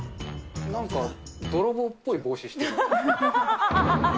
なんか泥棒っぽい帽子してる。